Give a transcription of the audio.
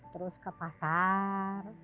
terus ke pasar